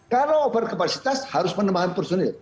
kalau over kapasitas harus menambah personil